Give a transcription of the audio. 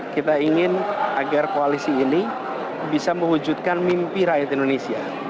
kita ingin agar koalisi ini bisa mewujudkan mimpi rakyat indonesia